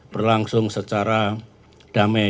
berlangsung secara damai